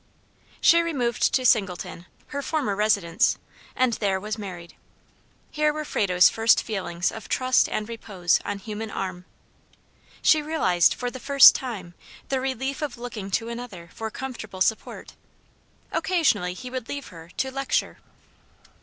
She removed to Singleton, her former residence, and there was married. Here were Frado's first feelings of trust and repose on human arm. She realized, for the first time, the relief of looking to another for comfortable support. Occasionally he would leave her to "lecture."